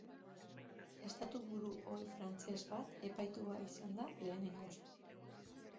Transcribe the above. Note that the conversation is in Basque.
Estatuburu ohi frantses bat epaitua izango da lehenengoz.